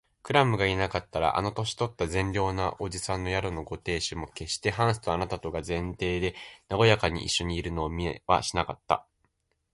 クラムがいなかったら、あの年とった善良な伯父さんの宿のご亭主も、けっしてハンスとあなたとが前庭でなごやかにいっしょにいるのを見はしなかった